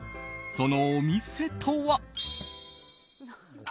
そのお店とは。